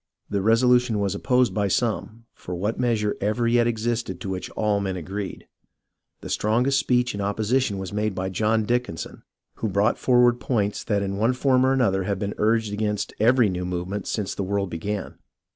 The resolution was opposed by some, for what measure ever yet existed to which all men agreed .' The strongest INDEPENDENCE 9 1 speech in opposition was made by John Dickinson, who brought forward points that in one form or another have been urged against every new movement since the world began.